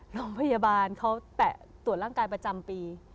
โรงพยาบาลเขาแตะตรวจร่างกายประจำปี